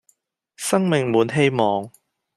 生命滿希望